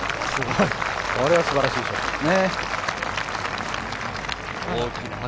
これは素晴らしいショットですね。